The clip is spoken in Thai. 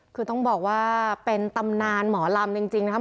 คือต้องบอกว่าเป็นตำนานหมอลำจริงนะครับ